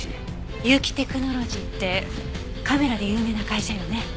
結城テクノロジーってカメラで有名な会社よね？